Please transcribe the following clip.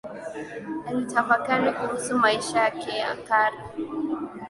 Alitafakari kuhusu maisha yake ya kale